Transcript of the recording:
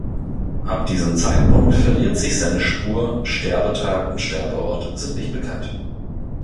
Ab diesem Zeitpunkt verliert sich seine Spur, Sterbetag und Sterbeort sind nicht bekannt.